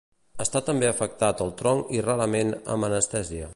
Està també afectat el tronc i rarament amb anestèsia.